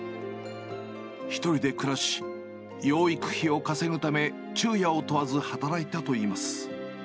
１人で暮らし、養育費を稼ぐため、昼夜を問わず働いたといいます。